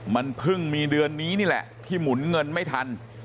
มันเพิ่งมีเดือนนี้นี่แหละที่หมุนเงินไม่ทัน